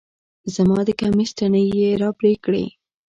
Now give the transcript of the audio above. زما د کميس تڼۍ يې راپرې کړې